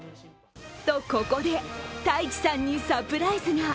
と、ここで太智さんにサプライズが。